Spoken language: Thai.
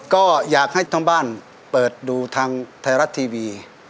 ก็อยากให้ทั้งบ้านเปิดดูทางไทยรัฐทีวี